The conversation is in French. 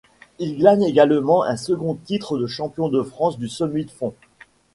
Il glane également un second titre de champion de France du demi-fond.